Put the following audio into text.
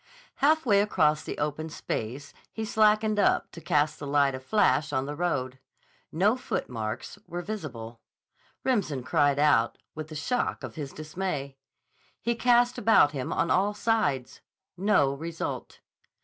Halfway across the open space he slackened up to cast the light of the flash on the road. No footmarks were visible. Remsen cried out, with the shock of his dismay. He cast about him on all sides. No result.